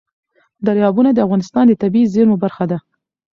دریابونه د افغانستان د طبیعي زیرمو برخه ده.